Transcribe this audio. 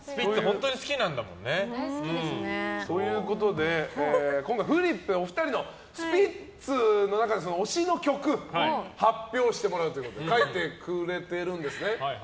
本当に好きなんだもんね。ということでお二人のスピッツの中で推しの曲発表してもらうということで書いてくれてるんですね。